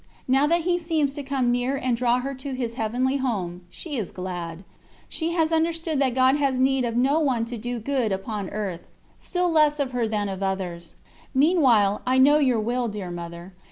Now that He seems to come near and draw her to His Heavenly Home, she is glad; she has understood that God has need of no one to do good upon earth, still less of her than of others. Meantime I know your will, dear Mother.